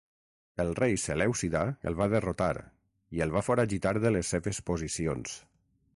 El rei selèucida el va derrotar i el va foragitar de les seves posicions.